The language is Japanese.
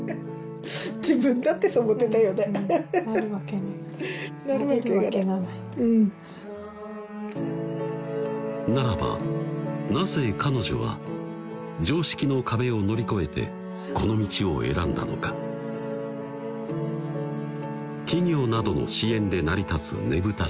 自分だってそう思ってたよねならばなぜ彼女は常識の壁を乗り越えてこの道を選んだのか企業などの支援で成り立つねぶた